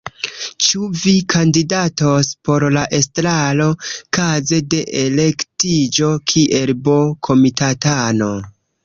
Ĉu vi kandidatos por la estraro, kaze de elektiĝo kiel B-komitatano?